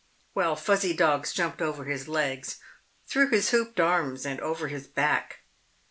while fuzzy dogs jumped over his legs, through his hooped arms, and over his back.